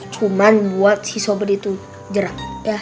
cuma buat si sobri itu jerah